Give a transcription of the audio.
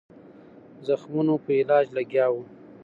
زخمونو په علاج لګیا وو.